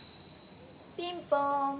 「ピンポーン。